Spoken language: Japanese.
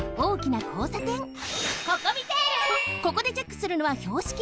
ここでチェックするのはひょうしき！